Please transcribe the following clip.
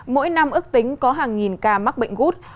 mỗi năm ước tính có hàng nghìn ca mắc bệnh gút